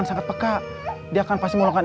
nak buat baik juga